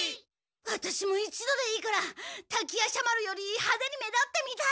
ワタシも一度でいいから滝夜叉丸よりハデに目立ってみたい！